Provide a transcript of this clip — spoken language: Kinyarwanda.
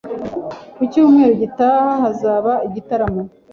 Ku cyumweru gitaha hazaba igitaramo.